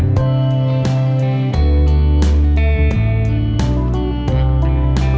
hẹn gặp lại